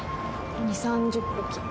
「２０３０匹」